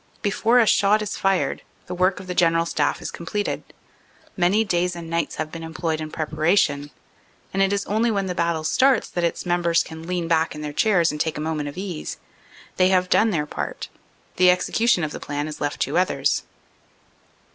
Before a shot is fired, the work of the General Staff is com pleted. Many days and nights have been employed in pre paration, and it is only when the battle starts that its members can lean back in their chairs and take a moment of ease. They have done their part; the execution of the plan is left to others.